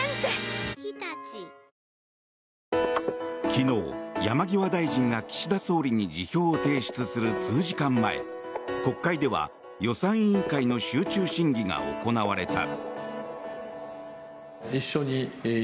昨日、山際大臣が岸田総理に辞表を提出する数時間前国会では予算委員会の集中審議が行われた。